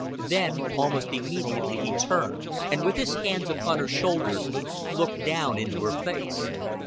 Then almost immediately he turned, and, with his hands upon her shoulders, looked down into her face.